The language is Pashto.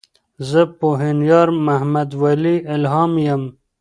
زۀ پوهنيار محمدولي الهام يم.